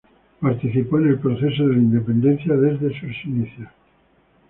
Participó en el proceso de la Independencia desde sus inicios.